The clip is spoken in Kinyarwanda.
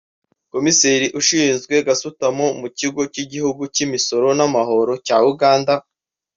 Komiseri Ushinzwe gasutamo mu kigo cy’Igihugu cy’Imisoro n’amahoro cya Uganda